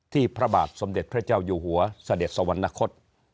ที่พระบาทสมเด็จพระเจ้าอยู่หัวสเด็จสวรรค์นคร